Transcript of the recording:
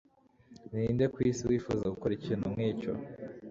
Ninde ku isi wifuza gukora ikintu nkicyo?